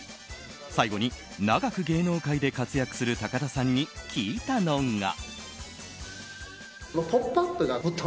最後に、長く芸能界で活躍する高田さんに聞いたのが。